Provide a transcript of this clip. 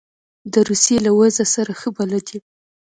د روسیې له وضع سره ښه بلد یم.